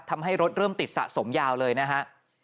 ทำให้รถเริ่มติดสะสมยาวเลยนะฮะ